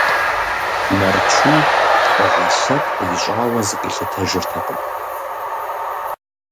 Нарчу лӀыгъэ лъэпкъ ищӀауэ зыкъилъытэжыртэкъым.